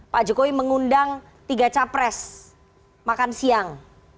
pak jokowi mengundang tiga capres makan siang